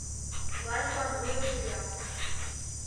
Властьлан вуйым шиям.